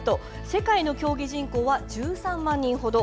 世界の競技人口は１３万人ほど。